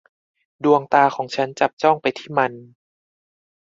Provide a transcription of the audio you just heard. ดวงตาของฉันจับจ้องไปที่มัน